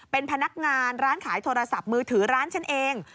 เป็นพนักงานร้านขายโทรศัพท์มือถือร้านฉันเอง